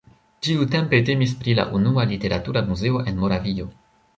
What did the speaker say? Tiutempe temis pri la unua literatura muzeo en Moravio.